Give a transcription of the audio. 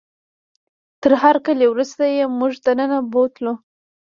تر هرکلي وروسته یې موږ دننه بوتلو.